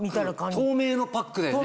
透明のパック。